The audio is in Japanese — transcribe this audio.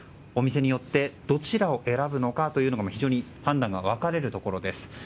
お店によってどちらを選ぶのか非常に判断が分かれるところです。